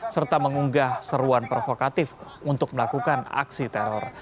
serta mengunggah seruan provokatif untuk melakukan aksi teror